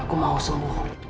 aku mau sembuh